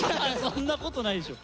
そんなことないでしょ！